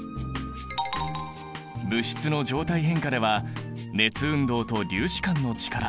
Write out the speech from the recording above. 物質の状態変化では熱運動と粒子間の力